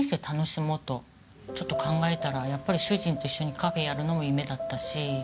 ちょっと考えたらやっぱり主人と一緒にカフェやるのも夢だったし。